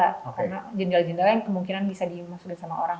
karena jendela jendela yang kemungkinan bisa dimasukin sama orang